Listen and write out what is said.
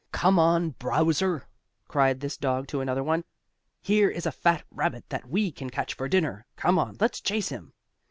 "Come on, Browser!" cried this dog to another one. "Here is a fat rabbit that we can catch for dinner. Come on, let's chase him!"